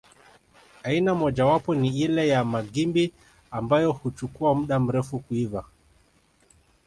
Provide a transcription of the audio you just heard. Aina mojawapo ni ile ya magimbi ambayo huchukua muda mrefu kuiva